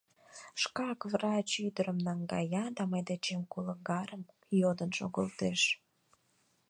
Шкак врач ӱдырым наҥгая да мый дечем кулыгарым йодын шогылтеш!